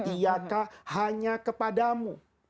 iya kah hanya kepadamu